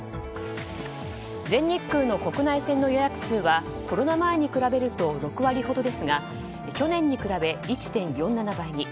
全日空の国内線の予約数はコロナ前に比べると６割ほどですが去年に比べ１．４７倍に。